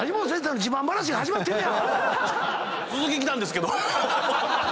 続き来たんですけど。